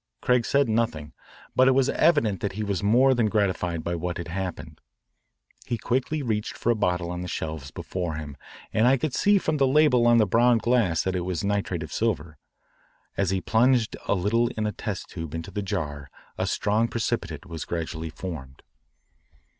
Craig said nothing, but it was evident that he was more than gratified by what had happened. He quickly reached for a bottle on the shelves before him, and I could see from the label on the brown glass that it was nitrate of silver. As he plunged a little in a test tube into the jar a strong precipitate was gradually formed.